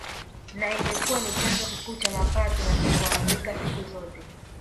Na imekuwa ni chanzo kikuu cha mapato na cha kuaminika siku zote